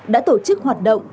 đã tổ chức hoạt động